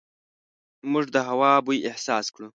موږ د هوا بوی احساس کړو.